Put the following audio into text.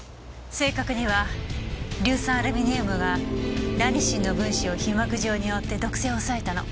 正確には硫酸アルミニウムがラニシンの分子を皮膜状に覆って毒性を抑えたの。